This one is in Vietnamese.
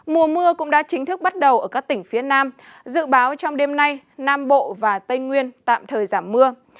mùa mưa cũng đã chính thức bắt đầu ở các tỉnh phía nam dự báo trong đêm nay nam bộ và tây nguyên tạm thời giảm mưa